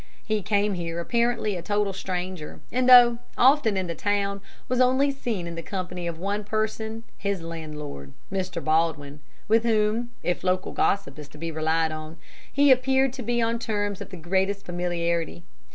He came here apparently a total stranger, and though often in the town, was only seen in the company of one person his landlord, Mr. Baldwin, with whom if local gossip is to be relied on he appeared to be on terms of the greatest familiarity.